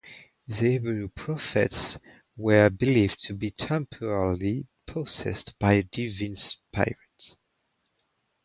The Hebrew prophets were believed to be temporarily possessed by a divine spirit.